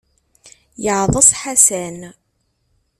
Yeɛḍes Ḥasan.